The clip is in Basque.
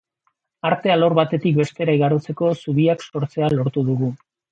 Arte alor batetik bestera igarotzeko zubiak sortzea lortu dugu.